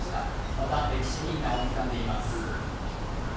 また歴史に名を刻んでいます。